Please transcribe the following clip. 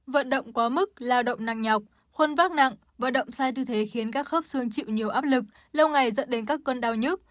vận động quá mức lao động nặng nhọc khuân vác nặng vận động sai tư thế khiến các khớp xương chịu nhiều áp lực lâu ngày dẫn đến các cơn đau nhức